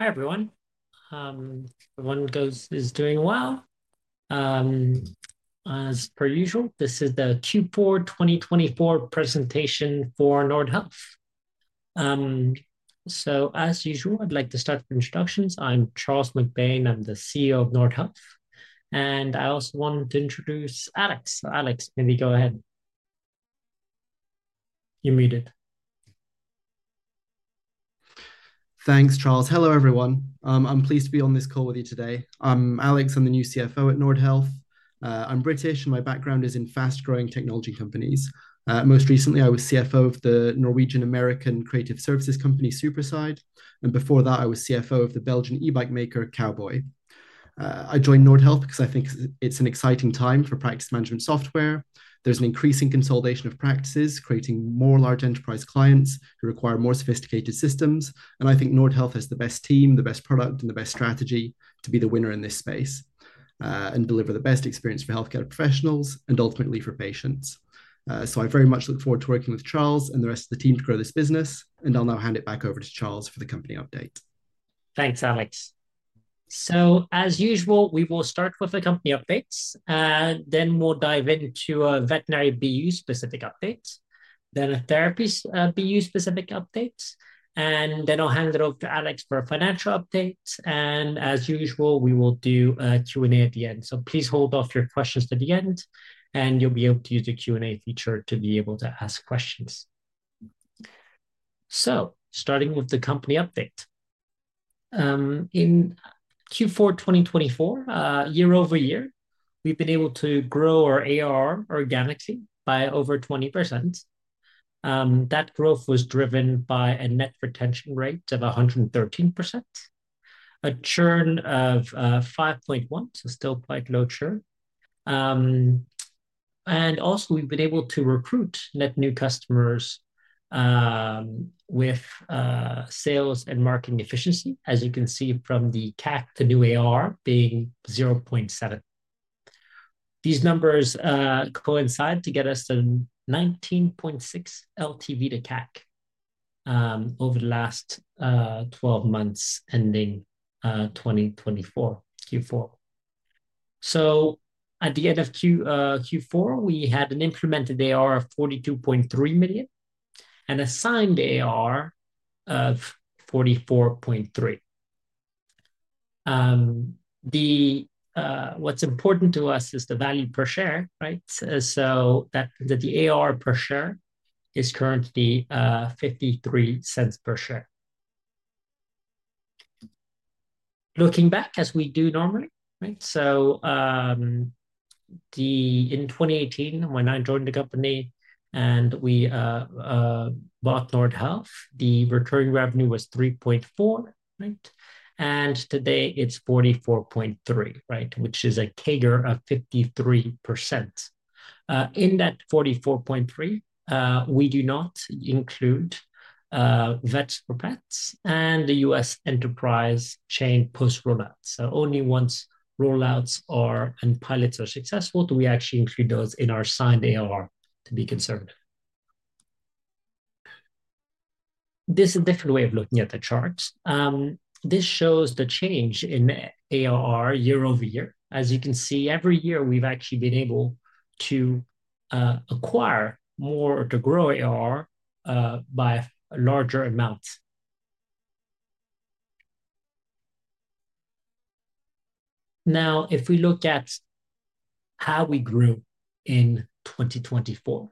Hi, everyone. Everyone is doing well. As per usual, this is the Q4 2024 presentation for Nordhealth. As usual, I'd like to start with introductions. I'm Charles MacBain. I'm the CEO of Nordhealth. I also want to introduce Alex. Alex, maybe go ahead. You're muted. Thanks, Charles. Hello, everyone. I'm pleased to be on this call with you today. I'm Alex. I'm the new CFO at Nordhealth. I'm British, and my background is in fast-growing technology companies. Most recently, I was CFO of the Norwegian-American creative services company, Superside. Before that, I was CFO of the Belgian e-bike maker, Cowboy. I joined Nordhealth because I think it's an exciting time for practice management software. There's an increasing consolidation of practices, creating more large enterprise clients who require more sophisticated systems. I think Nordhealth has the best team, the best product, and the best strategy to be the winner in this space and deliver the best experience for healthcare professionals and ultimately for patients. I very much look forward to working with Charles and the rest of the team to grow this business. I'll now hand it back over to Charles for the company update. Thanks, Alex. As usual, we will start with the company updates. Then we'll dive into a Veterinary BU-specific update, then a Therapist BU-specific update. I will hand it over to Alex for a financial update. As usual, we will do a Q&A at the end. Please hold off your questions to the end, and you'll be able to use the Q&A feature to be able to ask questions. Starting with the company update. In Q4 2024, year-over-year, we've been able to grow our ARR organically by over 20%. That growth was driven by a net retention rate of 113%, a churn of 5.1%, so still quite low churn. Also, we've been able to recruit net new customers with sales and marketing efficiency, as you can see from the CAC to new ARR being 0.7. These numbers coincide to get us to 19.6 LTV to CAC over the last 12 months ending 2024 Q4. At the end of Q4, we had an implemented ARR of 42.3 million and assigned ARR of 44.3 million. What's important to us is the value per share, right? The ARR per share is currently 0.53 per share. Looking back, as we do normally, right? In 2018, when I joined the company and we bought Nordhealth, the recurring revenue was 3.4 million, right? Today, it's 44.3 million, right? Which is a CAGR of 53%. In that 44.3 million, we do not include Vets for Pets and the U.S. enterprise chain post-rollouts. Only once rollouts and pilots are successful do we actually include those in our signed ARR to be conservative. This is a different way of looking at the chart. This shows the change in ARR year-over-year. As you can see, every year, we've actually been able to acquire more, or to grow ARR by a larger amount. Now, if we look at how we grew in 2024,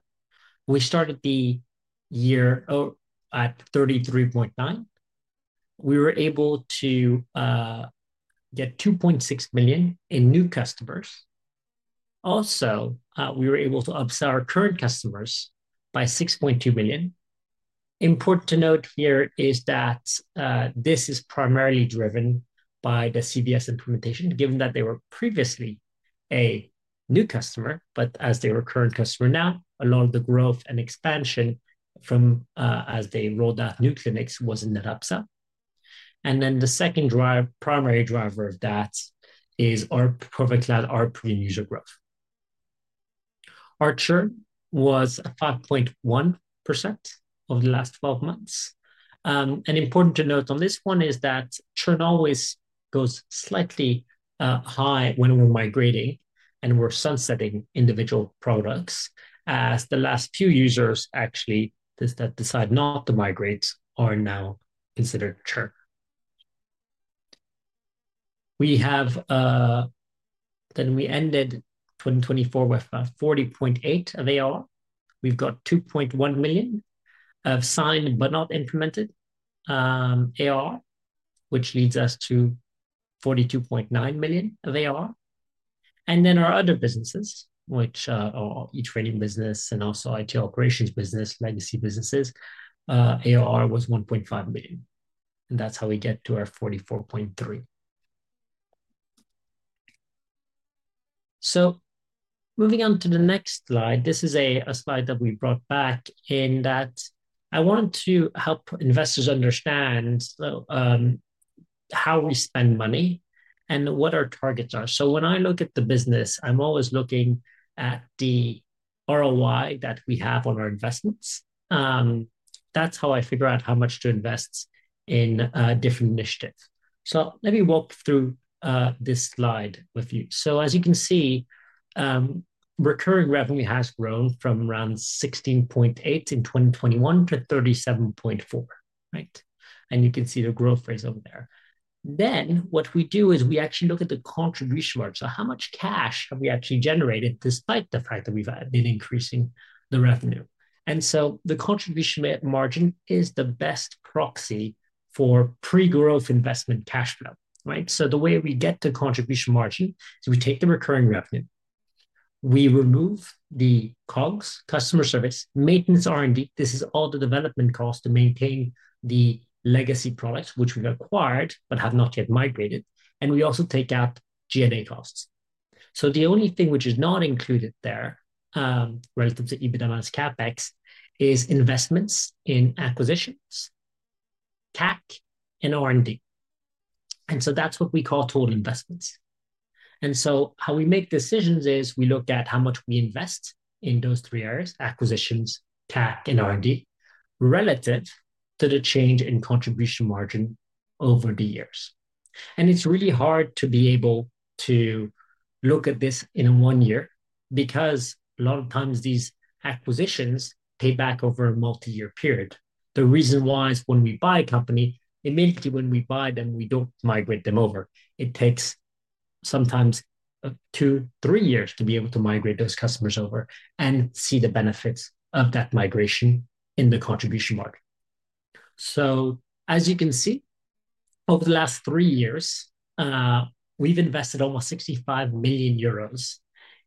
we started the year at 33.9 million. We were able to get 2.6 million in new customers. Also, we were able to upsell our current customers by 6.2 million. Important to note here is that this is primarily driven by the CVS implementation, given that they were previously a new customer, but as they were a current customer now, a lot of the growth and expansion from as they rolled out new clinics was in that upsell. The second primary driver of that is our Provet Cloud ARPU user growth. Our churn was 5.1% over the last 12 months. Important to note on this one is that churn always goes slightly high when we're migrating, and we're sunsetting individual products, as the last few users actually decide not to migrate are now considered churn. We ended 2024 with 40.8 million of ARR. We've got 2.1 million of signed but not implemented ARR, which leads us to 42.9 million of ARR. Our other businesses, which are Training business and also IT operations business, legacy businesses, ARR was 1.5 million. That's how we get to our 44.3 million. Moving on to the next slide, this is a slide that we brought back in that I want to help investors understand how we spend money and what our targets are. When I look at the business, I'm always looking at the ROI that we have on our investments. That's how I figure out how much to invest in different initiatives. Let me walk through this slide with you. As you can see, recurring revenue has grown from around 16.8 million in 2021 to 37.4 million, right? You can see the growth rates over there. What we do is we actually look at the contribution margin. How much cash have we actually generated despite the fact that we've been increasing the revenue? The contribution margin is the best proxy for pre-growth investment cash flow, right? The way we get the contribution margin is we take the recurring revenue, we remove the COGS, customer service, maintenance R&D. This is all the development costs to maintain the legacy products, which we've acquired but have not yet migrated. We also take out G&A costs. The only thing which is not included there relative to EBITDA minus CapEx is investments in acquisitions, CAC, and R&D. That is what we call total investments. How we make decisions is we look at how much we invest in those three areas, acquisitions, CAC, and R&D, relative to the change in contribution margin over the years. It is really hard to be able to look at this in one year because a lot of times these acquisitions pay back over a multi-year period. The reason why is when we buy a company, immediately when we buy them, we do not migrate them over. It takes sometimes two, three years to be able to migrate those customers over and see the benefits of that migration in the contribution margin. As you can see, over the last three years, we've invested almost 65 million euros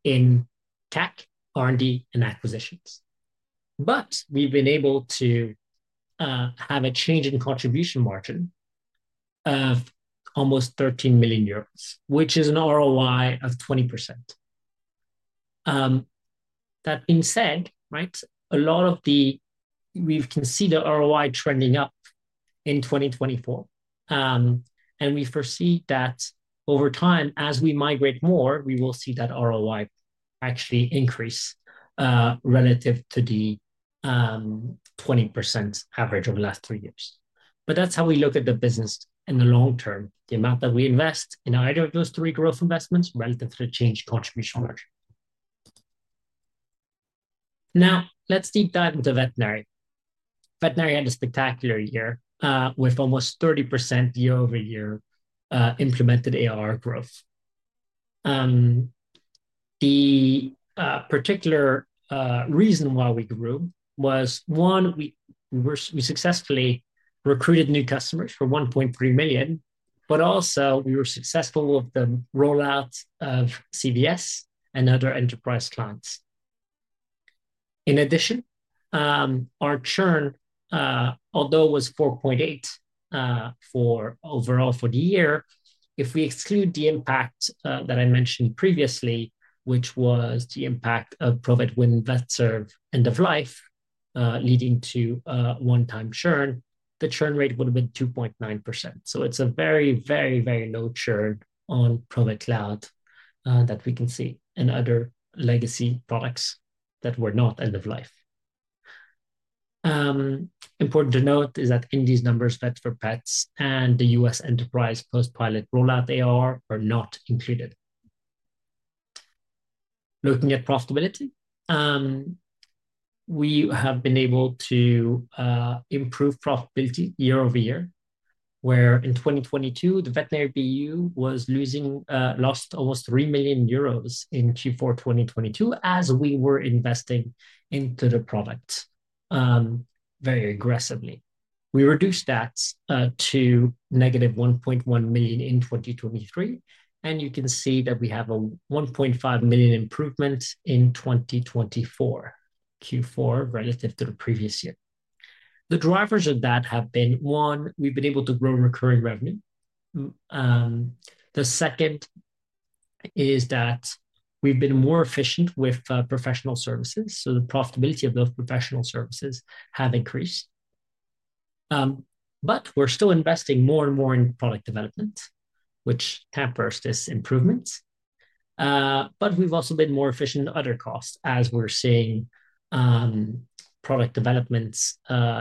in CAC, R&D, and acquisitions. We've been able to have a change in contribution margin of almost 13 million euros, which is an ROI of 20%. That being said, a lot of the we can see the ROI trending up in 2024. We foresee that over time, as we migrate more, we will see that ROI actually increase relative to the 20% average over the last three years. That's how we look at the business in the long term, the amount that we invest in either of those three growth investments relative to the change contribution margin. Now, let's deep dive into veterinary. Veterinary had a spectacular year with almost 30% year-over-year implemented ARR growth. The particular reason why we grew was, one, we successfully recruited new customers for 1.3 million, but also we were successful with the rollout of CVS and other enterprise clients. In addition, our churn, although it was 4.8% overall for the year, if we exclude the impact that I mentioned previously, which was the impact of Provet Win and VetServe end-of-life leading to one-time churn, the churn rate would have been 2.9%. It is a very, very, very low churn on Provet Cloud that we can see in other legacy products that were not end-of-life. Important to note is that in these numbers, Vets for Pets and the U.S. enterprise post-pilot rollout ARR are not included. Looking at profitability, we have been able to improve profitability year-over-year, where in 2022, the Veterinary BU was losing almost 3 million euros in Q4 2022 as we were investing into the product very aggressively. We reduced that to -1.1 million in 2023. You can see that we have a 1.5 million improvement in 2024 Q4 relative to the previous year. The drivers of that have been, one, we've been able to grow recurring revenue. The second is that we've been more efficient with professional services. The profitability of those professional services has increased. We're still investing more and more in product development, which tampers this improvement. We've also been more efficient in other costs as we're seeing product developments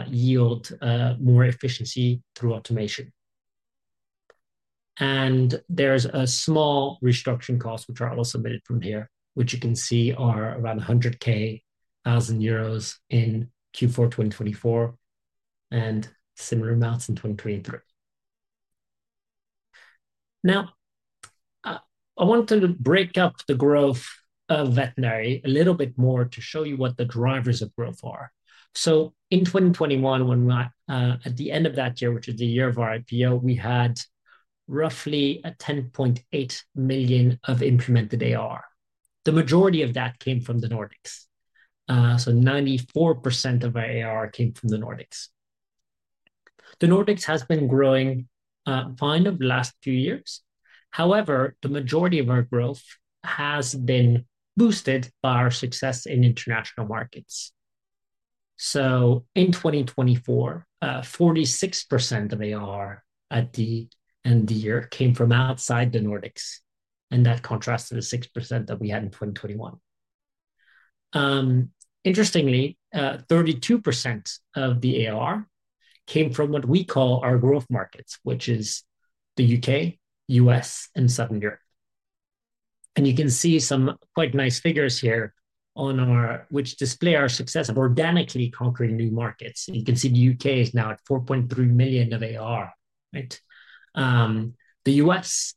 yield more efficiency through automation. There's a small restructuring cost, which I'll also submit from here, which you can see are around 100,000 euros in Q4 2024 and similar amounts in 2023. Now, I want to break up the growth of veterinary a little bit more to show you what the drivers of growth are. In 2021, at the end of that year, which is the year of our IPO, we had roughly 10.8 million of implemented ARR. The majority of that came from the Nordics. 94% of our ARR came from the Nordics. The Nordics has been growing fine over the last few years. However, the majority of our growth has been boosted by our success in international markets. In 2024, 46% of ARR at the end of the year came from outside the Nordics. That contrasted to the 6% that we had in 2021. Interestingly, 32% of the ARR came from what we call our growth markets, which is the U.K., U.S., and Southern Europe. You can see some quite nice figures here which display our success of organically conquering new markets. You can see the U.K. is now at 4.3 million of ARR, right? The U.S.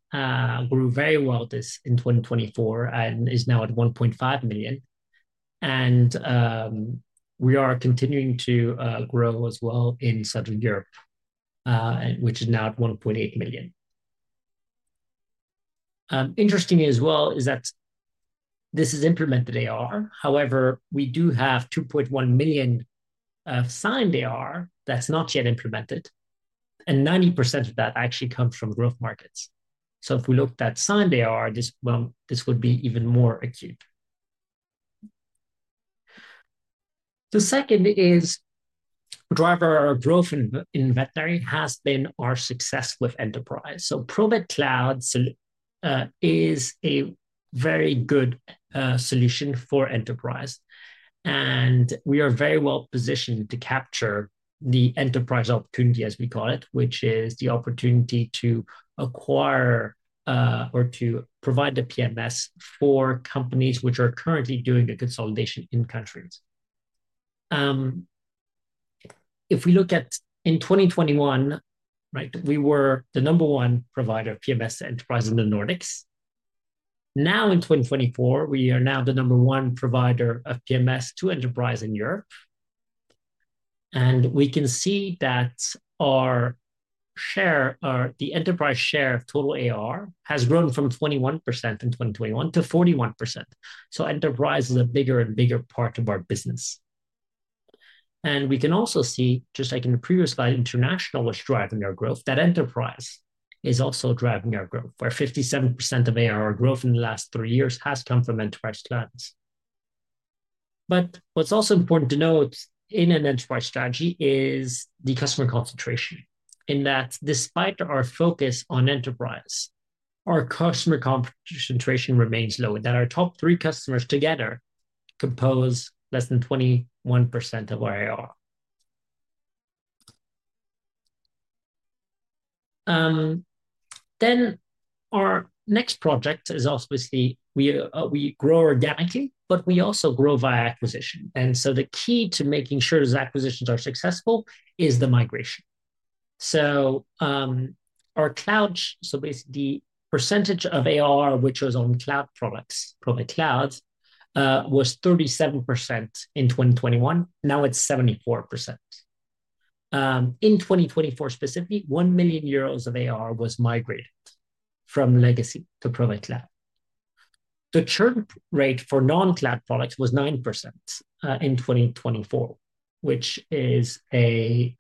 grew very well in 2024 and is now at 1.5 million. We are continuing to grow as well in Southern Europe, which is now at 1.8 million. Interesting as well is that this is implemented ARR. However, we do have 2.1 million signed ARR that's not yet implemented. 90% of that actually comes from growth markets. If we looked at signed ARR, this would be even more acute. The second driver of our growth in veterinary has been our success with enterprise. Provet Cloud is a very good solution for enterprise. We are very well positioned to capture the enterprise opportunity, as we call it, which is the opportunity to acquire or to provide the PMS for companies which are currently doing the consolidation in countries. If we look at in 2021, right, we were the number one provider of PMS to enterprise in the Nordics. Now, in 2024, we are now the number one provider of PMS to enterprise in Europe. We can see that our share, the enterprise share of total ARR, has grown from 21% in 2021 to 41%. Enterprise is a bigger and bigger part of our business. We can also see, just like in the previous slide, international was driving our growth, that enterprise is also driving our growth, where 57% of ARR growth in the last three years has come from enterprise clients. What's also important to note in an enterprise strategy is the customer concentration, in that despite our focus on enterprise, our customer concentration remains low, and our top three customers together compose less than 21% of our ARR. Our next project is obviously we grow organically, but we also grow via acquisition. The key to making sure those acquisitions are successful is the migration. Our cloud, so basically the percentage of ARR which was on cloud products, Provet Cloud, was 37% in 2021. Now it's 74%. In 2024 specifically, 1 million euros of ARR was migrated from legacy to Provet Cloud. The churn rate for non-cloud products was 9% in 2024, which is a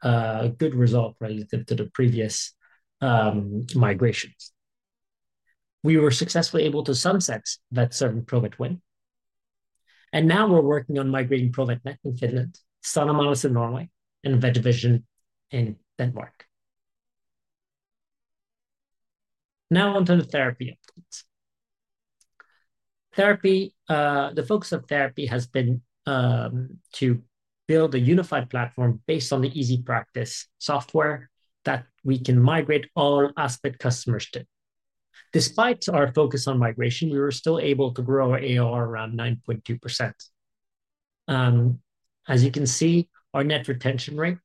good result relative to the previous migrations. We were successfully able to sunset VetServe and Provet Win. Now we're working on migrating Provet Net in Finland, Sanimalis in Norway, and VetVision in Denmark. Now onto the therapy updates. Therapy, the focus of therapy has been to build a unified platform based on the EasyPractice software that we can migrate all Aspit customers to. Despite our focus on migration, we were still able to grow our ARR around 9.2%. As you can see, our net retention rate,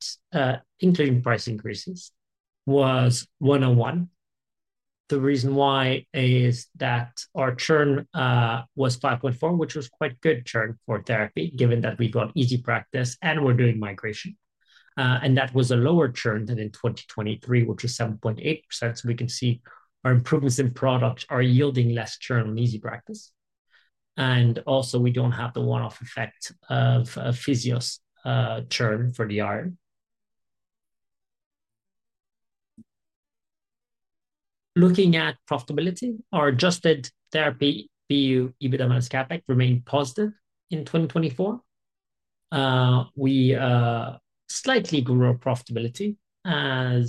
including price increases, was 101%. The reason why is that our churn was 5.4%, which was quite good churn for therapy, given that we've got EasyPractice and we're doing migration. That was a lower churn than in 2023, which was 7.8%. We can see our improvements in products are yielding less churn on EasyPractice. Also, we do not have the one-off effect of physio churn for the iron. Looking at profitability, our adjusted Therapy BU, EBITDA minus CapEx remained positive in 2024. We slightly grew our profitability, and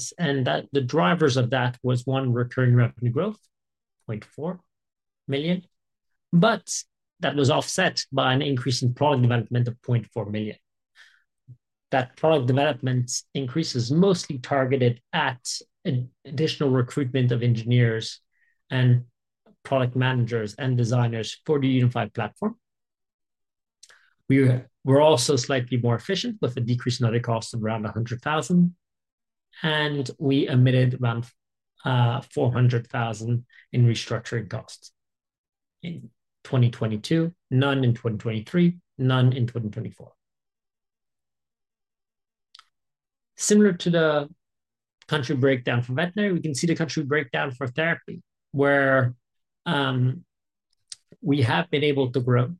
the drivers of that were one, recurring revenue growth, 0.4 million. That was offset by an increase in product development of 0.4 million. That product development increase is mostly targeted at additional recruitment of engineers and product managers and designers for the unified platform. We were also slightly more efficient with a decrease in other costs of around 100,000. We emitted around 400,000 in restructuring costs in 2022, none in 2023, none in 2024. Similar to the country breakdown for veterinary, we can see the country breakdown for therapy, where we have been able to grow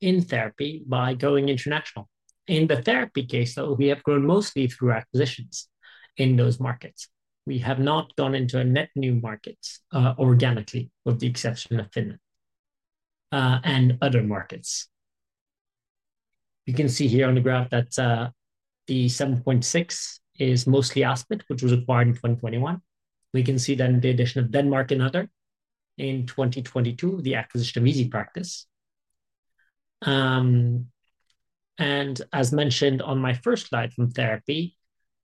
in therapy by going international. In the therapy case, though, we have grown mostly through acquisitions in those markets. We have not gone into net new markets organically, with the exception of Finland and other markets. You can see here on the graph that the 7.6 is mostly Aspit, which was acquired in 2021. We can see then the addition of Denmark and other in 2022, the acquisition of EasyPractice. As mentioned on my first slide from therapy,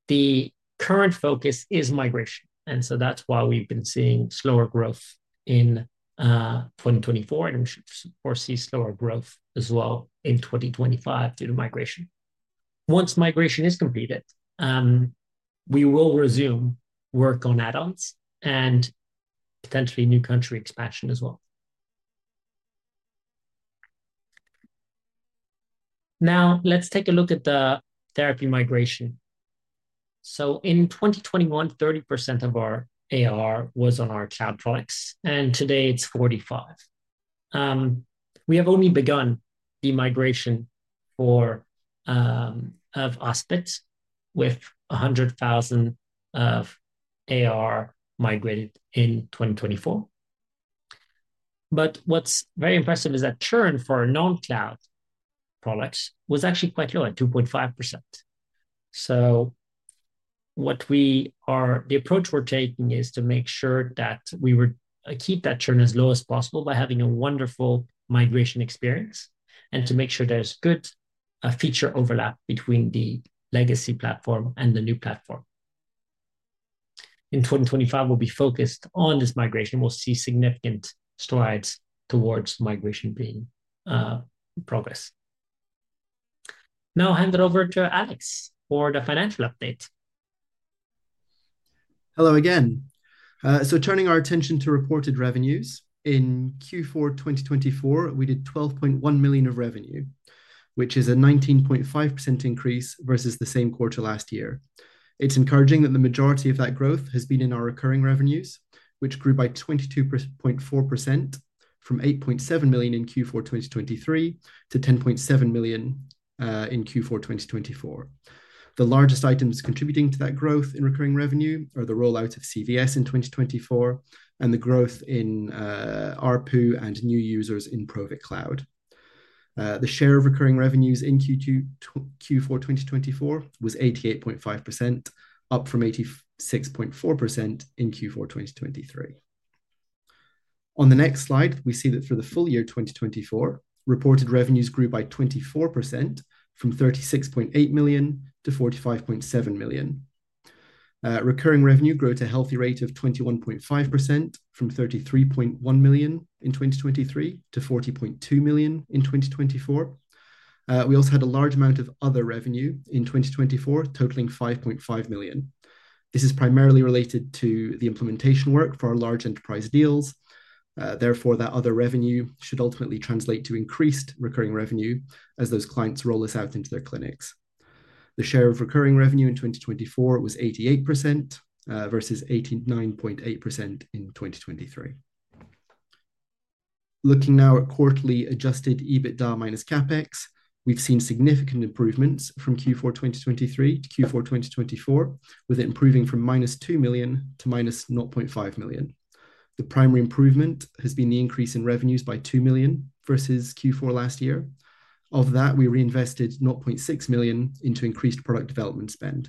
the current focus is migration. That is why we have been seeing slower growth in 2024. We should, of course, see slower growth as well in 2025 due to migration. Once migration is completed, we will resume work on add-ons and potentially new country expansion as well. Now, let's take a look at the therapy migration. In 2021, 30% of our ARR was on our child products, and today it's 45%. We have only begun the migration of Aspit with 100,000 of ARR migrated in 2024. What's very impressive is that churn for non-cloud products was actually quite low at 2.5%. The approach we're taking is to make sure that we keep that churn as low as possible by having a wonderful migration experience and to make sure there's good feature overlap between the legacy platform and the new platform. In 2025, we'll be focused on this migration. We'll see significant strides towards migration being in progress. Now, I'll hand it over to Alex for the financial update. Hello again. Hello again. Turning our attention to reported revenues, in Q4 2024, we did 12.1 million of revenue, which is a 19.5% increase versus the same quarter last year. It's encouraging that the majority of that growth has been in our recurring revenues, which grew by 22.4% from 8.7 million in Q4 2023-EUR 10.7 million in Q4 2024. The largest items contributing to that growth in recurring revenue are the rollout of CVS in 2024 and the growth in ARPU and new users in Provet Cloud. The share of recurring revenues in Q4 2024 was 88.5%, up from 86.4% in Q4 2023. On the next slide, we see that for the full year 2024, reported revenues grew by 24% from 36.8 million-45.7 million. Recurring revenue grew at a healthy rate of 21.5% from 33.1 million in 2023-EUR 40.2 million in 2024. We also had a large amount of other revenue in 2024, totaling 5.5 million. This is primarily related to the implementation work for our large enterprise deals. Therefore, that other revenue should ultimately translate to increased recurring revenue as those clients roll us out into their clinics. The share of recurring revenue in 2024 was 88% versus 89.8% in 2023. Looking now at quarterly adjusted EBITDA minus CapEx, we've seen significant improvements from Q4 2023-Q4 2024, with it improving from -2 million to -0.5 million. The primary improvement has been the increase in revenues by 2 million versus Q4 last year. Of that, we reinvested 0.6 million into increased product development spend.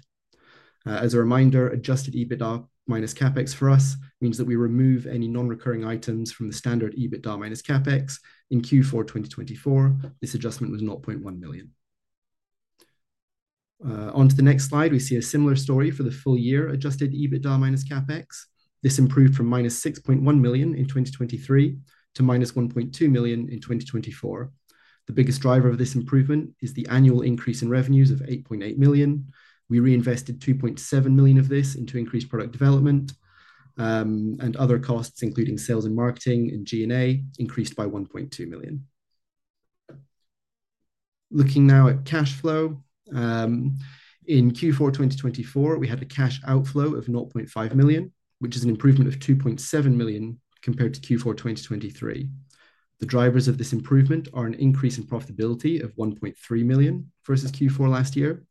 As a reminder, adjusted EBITDA -CapEx for us means that we remove any non-recurring items from the standard EBITDA -CapEx. In Q4 2024, this adjustment was 0.1 million. Onto the next slide, we see a similar story for the full year adjusted EBITDA -CapEx. This improved from -6.1 million in 2023 to -1.2 million in 2024. The biggest driver of this improvement is the annual increase in revenues of 8.8 million. We reinvested 2.7 million of this into increased product development and other costs, including sales and marketing and G&A, increased by 1.2 million. Looking now at cash flow, in Q4 2024, we had a cash outflow of 0.5 million, which is an improvement of 2.7 million compared to Q4 2023. The drivers of this improvement are an increase in profitability of 1.3 million versus Q4 last year.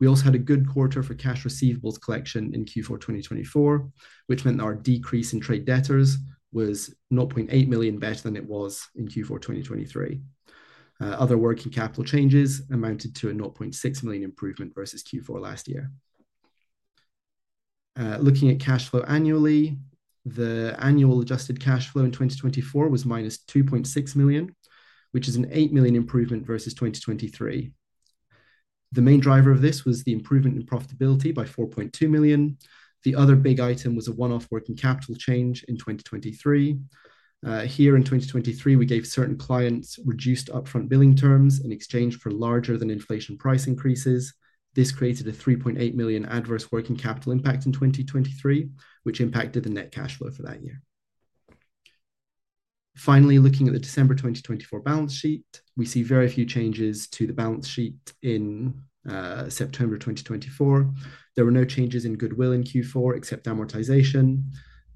We also had a good quarter for cash receivables collection in Q4 2024, which meant our decrease in trade debtors was 0.8 million better than it was in Q4 2023. Other working capital changes amounted to a 0.6 million improvement versus Q4 last year. Looking at cash flow annually, the annual adjusted cash flow in 2024 was -2.6 million, which is a 8 million improvement versus 2023. The main driver of this was the improvement in profitability by 4.2 million. The other big item was a one-off working capital change in 2023. Here in 2023, we gave certain clients reduced upfront billing terms in exchange for larger-than-inflation price increases. This created a 3.8 million adverse working capital impact in 2023, which impacted the net cash flow for that year. Finally, looking at the December 2024 balance sheet, we see very few changes to the balance sheet in September 2024. There were no changes in goodwill in Q4 except amortization.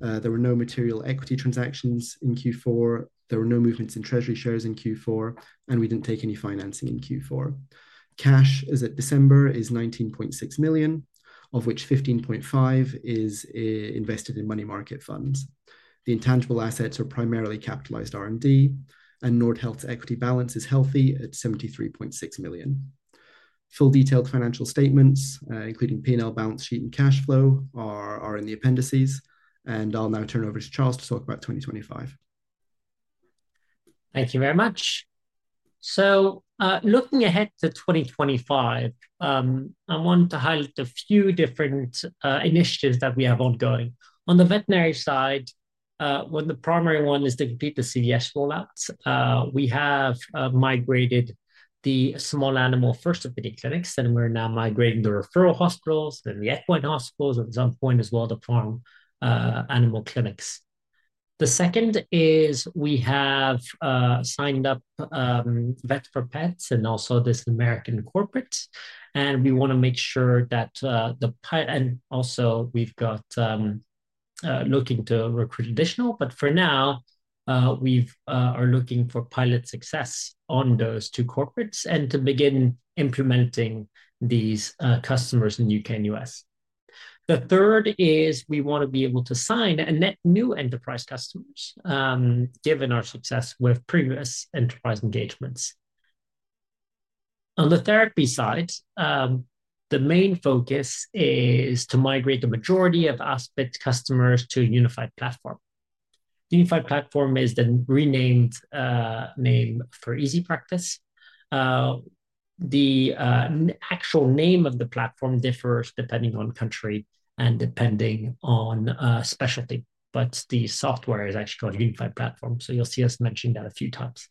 There were no material equity transactions in Q4. There were no movements in treasury shares in Q4, and we didn't take any financing in Q4. Cash as of December is 19.6 million, of which 15.5 million is invested in money market funds. The intangible assets are primarily capitalized R&D, and Nordhealth's equity balance is healthy at 73.6 million. Full detailed financial statements, including P&L, balance sheet, and cash flow, are in the appendices. I'll now turn over to Charles to talk about 2025. Thank you very much. Looking ahead to 2025, I want to highlight a few different initiatives that we have ongoing. On the veterinary side, the primary one is to complete the CVS rollouts. We have migrated the small animal first opinion clinics, and we're now migrating the referral hospitals and the equine hospitals, at some point as well to farm animal clinics. The second is we have signed up Vets for Pets and also this American corporate. We want to make sure that the pilot, and also we've got looking to recruit additional, but for now, we are looking for pilot success on those two corporates and to begin implementing these customers in the U.K. and U.S. The third is we want to be able to sign net new enterprise customers, given our success with previous enterprise engagements. On the therapy side, the main focus is to migrate the majority of Aspit customers to a unified platform. The unified platform is the renamed name for EasyPractice. The actual name of the platform differs depending on country and depending on specialty, but the software is actually called Unified Platform. You'll see us mentioning that a few times.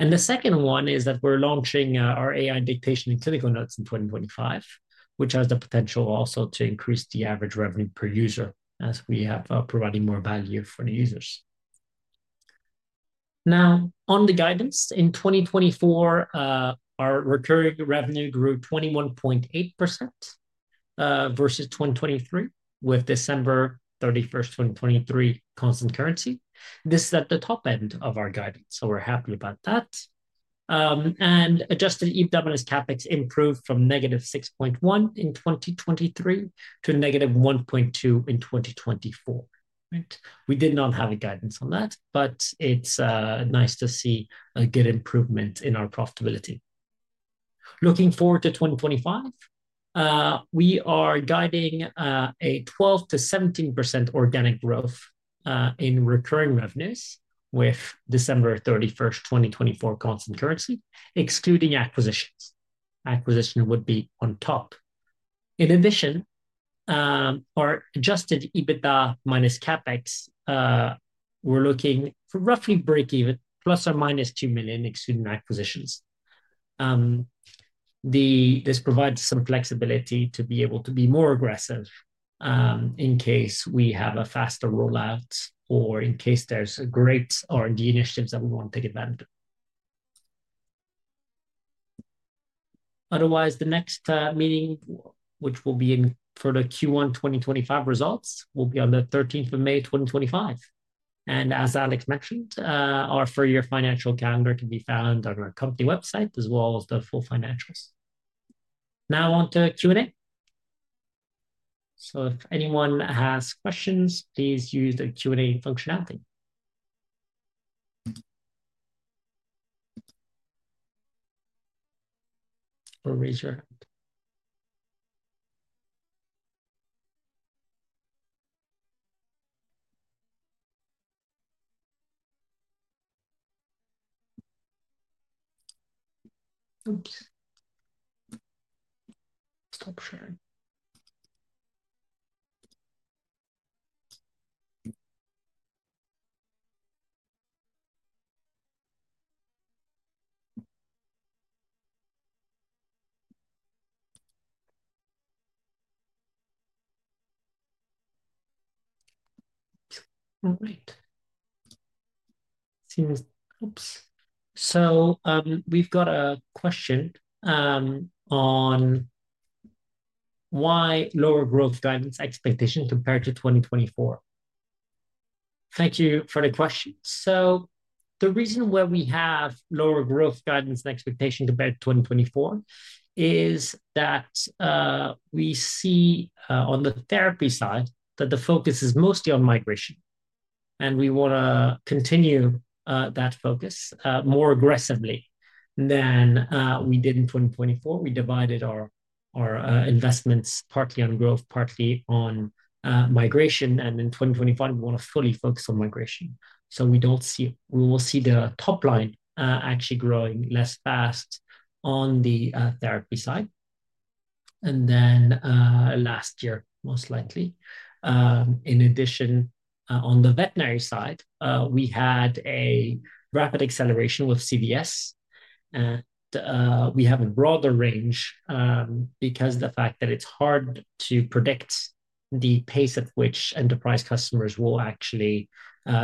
The second one is that we're launching our AI Dictation and Clinical Notes in 2025, which has the potential also to increase the average revenue per user as we have provided more value for the users. Now, on the guidance, in 2024, our recurring revenue grew 21.8% versus 2023 with December 31, 2023, constant currency. This is at the top end of our guidance, so we're happy about that. Adjusted EBITDA -CapEx improved from negative 6.1 million in 2023 to negative 1.2 million in 2024. We did not have a guidance on that, but it is nice to see a good improvement in our profitability. Looking forward to 2025, we are guiding a 12%-17% organic growth in recurring revenues with December 31, 2024, constant currency, excluding acquisitions. Acquisition would be on top. In addition, our adjusted EBITDA -CapEx, we're looking for roughly breakeven, ± 2 million, excluding acquisitions. This provides some flexibility to be able to be more aggressive in case we have a faster rollout or in case there's a great R&D initiative that we want to take advantage of. Otherwise, the next meeting, which will be for the Q1 2025 results, will be on the 13th of May, 2025. As Alex mentioned, our four-year financial calendar can be found on our company website as well as the full financials. Now, on to Q&A. If anyone has questions, please use the Q&A functionality. Please raise your hand. Oops. Stop sharing. All right. Oops. We've got a question on why lower growth guidance expectation compared to 2024. Thank you for the question. The reason why we have lower growth guidance and expectation compared to 2024 is that we see on the therapy side that the focus is mostly on migration. We want to continue that focus more aggressively than we did in 2024. We divided our investments partly on growth, partly on migration. In 2025, we want to fully focus on migration. We do not see we will see the top line actually growing less fast on the therapy side than last year, most likely. In addition, on the veterinary side, we had a rapid acceleration with CVS. We have a broader range because of the fact that it is hard to predict the pace at which enterprise customers will actually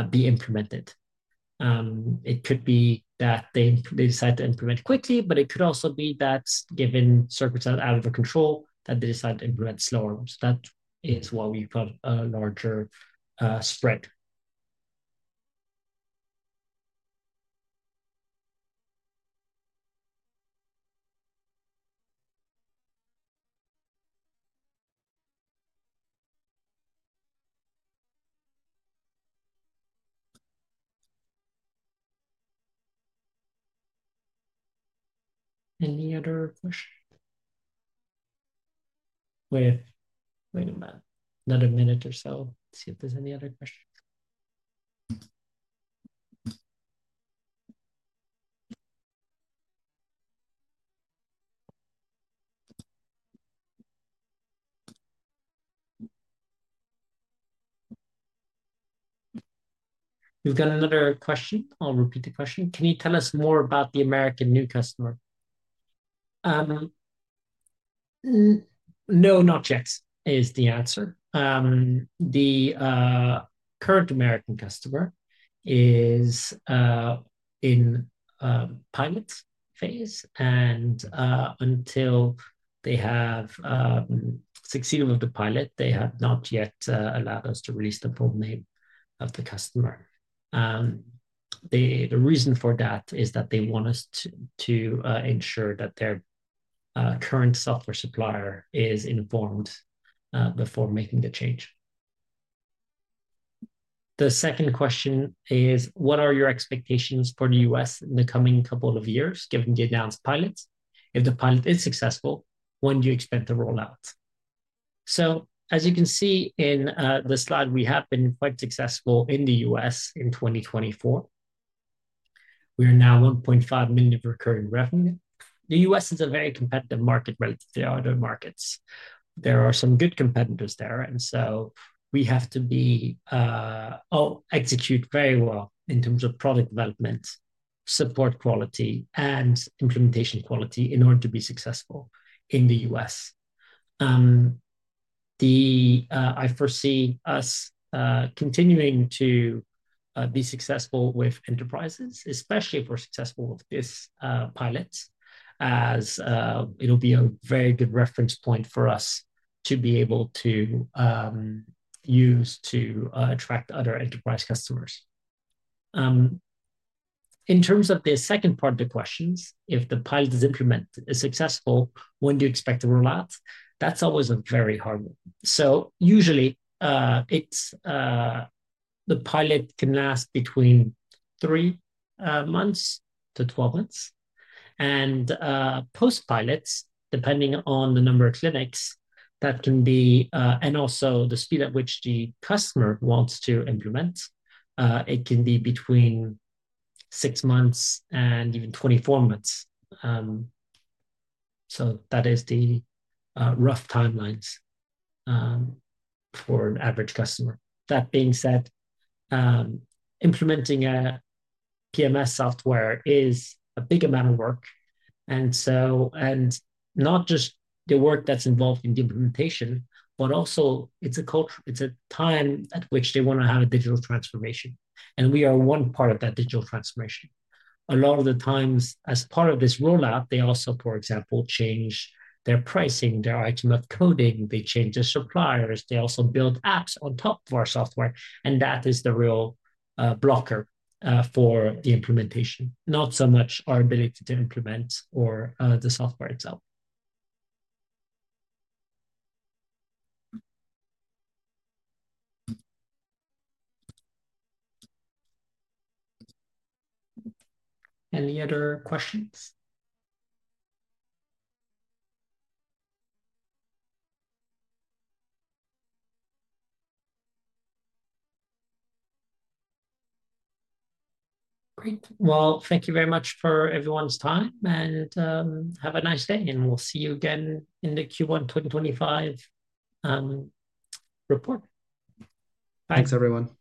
be implemented. It could be that they decide to implement quickly, but it could also be that given circumstances out of control, that they decide to implement slower. That is why we've got a larger spread. Any other questions? Wait. Wait a minute. Another minute or so. See if there's any other questions. We've got another question. I'll repeat the question. Can you tell us more about the American new customer? No, not yet is the answer. The current American customer is in pilot phase. Until they have succeeded with the pilot, they have not yet allowed us to release the full name of the customer. The reason for that is that they want us to ensure that their current software supplier is informed before making the change. The second question is, what are your expectations for the US in the coming couple of years given the announced pilot? If the pilot is successful, when do you expect the rollout? As you can see in the slide, we have been quite successful in the U.S. in 2024. We are now $1.5 million of recurring revenue. The U.S. is a very competitive market relative to other markets. There are some good competitors there. We have to execute very well in terms of product development, support quality, and implementation quality in order to be successful in the U.S. I foresee us continuing to be successful with enterprises, especially if we're successful with this pilot, as it will be a very good reference point for us to be able to use to attract other enterprise customers. In terms of the second part of the questions, if the pilot is successful, when do you expect the rollout? That's always a very hard one. Usually, the pilot can last between 3 months-12 months. Post-pilots, depending on the number of clinics and also the speed at which the customer wants to implement, it can be between 6 months and even 24 months. That is the rough timelines for an average customer. That being said, implementing a PMS software is a big amount of work. Not just the work that's involved in the implementation, but also it's a time at which they want to have a digital transformation. We are one part of that digital transformation. A lot of the times, as part of this rollout, they also, for example, change their pricing, their IT coding, they change their suppliers, they also build apps on top of our software. That is the real blocker for the implementation, not so much our ability to implement or the software itself. Any other questions? Great. Thank you very much for everyone's time. Have a nice day. We will see you again in the Q1 2025 report. Thanks, everyone.